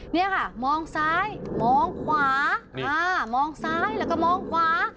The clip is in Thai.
นี่ค่ะมองซ้ายมองขวามองซ้ายแล้วก็มองขวา